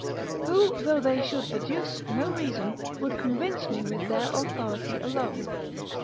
["Who, though they should adduce no reason, would convince me with their authority alone."